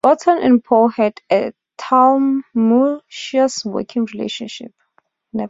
Burton and Poe had a tumultuous working relationship.